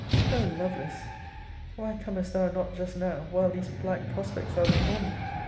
O Lovelace! why comest thou not just now, while these black prospects are before me?